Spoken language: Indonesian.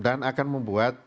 dan akan membuat